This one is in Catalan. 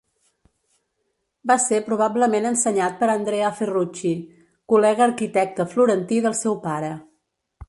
Va ser probablement ensenyat per Andrea Ferrucci, col·lega arquitecte florentí del seu pare.